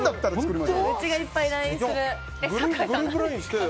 うちがいっぱいＬＩＮＥする。